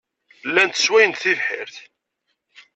Llant sswayent tibḥirt.